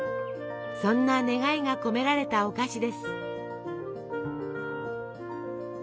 そんな願いが込められたお菓子です。